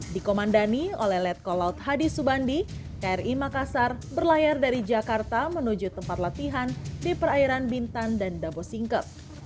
dikomandani oleh letkol laut hadi subandi kri makassar berlayar dari jakarta menuju tempat latihan di perairan bintan dan dabo singkep